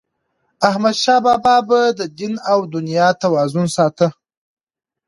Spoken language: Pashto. احمدشاه بابا به د دین او دنیا توازن ساته.